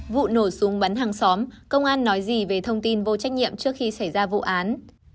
vụ nổ súng bắn hàng xóm công an nói gì về thông tin vô trách nhiệm trước khi xảy ra vụ án